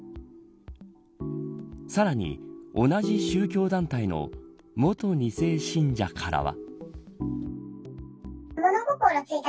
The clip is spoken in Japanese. さらに、同じ宗教団体の元２世信者からは。